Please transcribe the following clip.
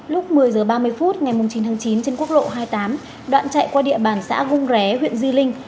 lúc một mươi h ba mươi phút ngày chín tháng chín trên quốc lộ hai mươi tám đoạn chạy qua địa bàn xã vung ré huyện di linh